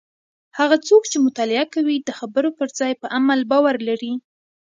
هغه څوک چې مطالعه کوي د خبرو پر ځای په عمل باور لري.